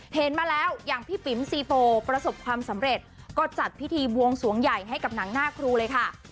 เห็นมาแล้วอย่างพี่ปิ๋มซีโพประสบความสำเร็จก็จัดพิธีบวงสวงใหญ่ให้กับหนังหน้าครูเลยค่ะ